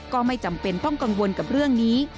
ก็ไม่จำเป็นต้องกังวลกับเรื่องนี้